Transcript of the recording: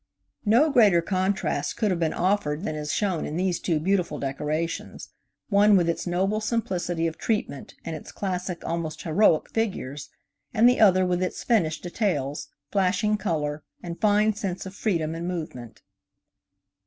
No greater contrast could have been offered than is shown in these two beautiful decorations: one with its noble simplicity of treatment and its classic almost heroic figures; and the other with its finished details, flashing color, and fine sense of freedom and movement.